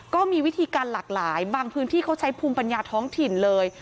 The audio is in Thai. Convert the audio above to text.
ก็มีวิธีการหลากหลายบางพื้นที่เขาใช้ภูมิปัญญาท้องถิ่นเลย